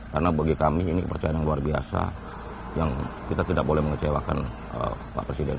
karena bagi kami ini percayaan yang luar biasa yang kita tidak boleh mengecewakan pak presiden